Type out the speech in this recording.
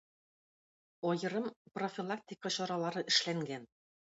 Аерым профилактика чаралары эшләнгән.